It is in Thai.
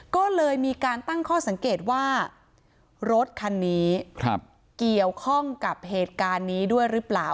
ก็เลยมีการตั้งข้อสังเกตว่ารถคันนี้เกี่ยวข้องกับเหตุการณ์นี้ด้วยหรือเปล่า